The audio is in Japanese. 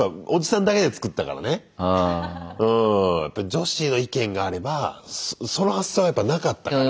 女子の意見があればその発想はやっぱなかったから。